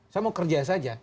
saya mau kerja saja